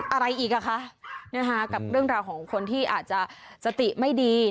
อะไรอีกอ่ะคะกับเรื่องราวของคนที่อาจจะสติไม่ดี